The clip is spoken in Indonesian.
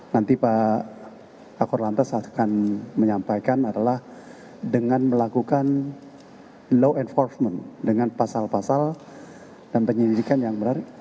nanti pak korlantas akan menyampaikan adalah dengan melakukan law enforcement dengan pasal pasal dan penyelidikan yang benar